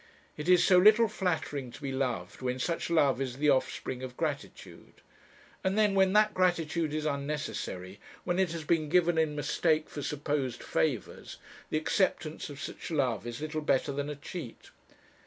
It is so little flattering to be loved when such love is the offspring of gratitude. And then when that gratitude is unnecessary, when it has been given in mistake for supposed favours, the acceptance of such love is little better than a cheat!